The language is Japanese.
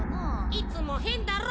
いつもへんだろ。